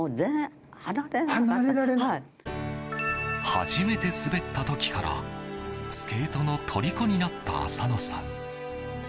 初めて滑った時からスケートのとりこになった浅野さん。